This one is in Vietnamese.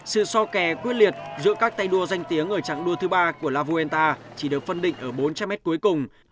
sự so kẻ quyết liệt giữa các tay đua danh tiếng ở trạng đua thứ ba của lavuenta chỉ được phân định ở bốn trăm linh m cuối cùng